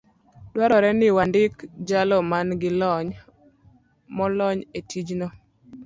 dwarore ni wandik jalo man gi lony molony e tijno.